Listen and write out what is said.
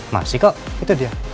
masih kok itu dia